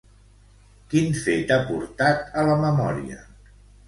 Quin fet ha portat a la memòria?